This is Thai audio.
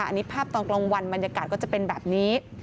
อันนี้ภาพตอนกลางวันบรรยากาศก็จะเป็นแบบนี้